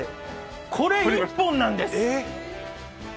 これ一本なんです。